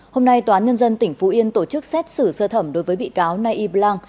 hôm nay tòa án nhân dân tỉnh phú yên tổ chức xét xử sơ thẩm đối với bị cáo naip lang